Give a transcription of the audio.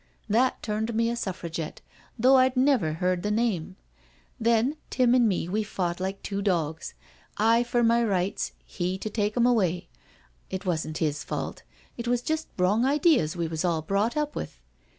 That turned me a Suffragette— though I'd never heard the name. Then Tim and me we fought like two dogs — I for my rights, he to take *em away. It wasn't his fault, it was just wrong ideas we was all brought up with.